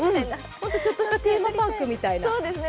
ホントちょっとしたテーマパークみたいな。